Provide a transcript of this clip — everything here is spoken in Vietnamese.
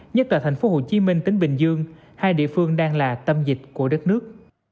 nhất là thành phố hồ chí minh tỉnh bình dương hai địa phương đang là tâm dịch của đất nước